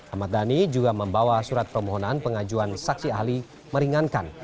ahmad dhani juga membawa surat permohonan pengajuan saksi ahli meringankan